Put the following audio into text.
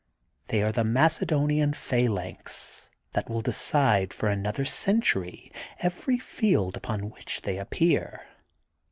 They are the Macedonian phalanx that will decide for another century every field upon which they will appear.